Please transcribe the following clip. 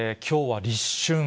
きょうは立春。